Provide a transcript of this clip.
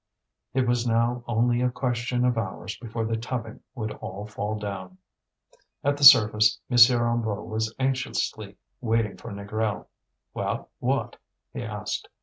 It was now only a question of hours before the tubbing would all fall down. At the surface M. Hennebeau was anxiously waiting for Négrel. "Well, what?" he asked.